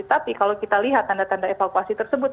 tapi kalau kita lihat tanda tanda evakuasi tersebut